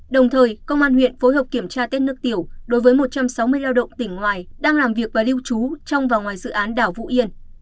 đồng thời công an huyện phối hợp kiểm tra tết nước tiểu đối với một trăm sáu mươi lao động tỉnh ngoài đang làm việc và lưu trú trong và ngoài dự án đảo vũ yên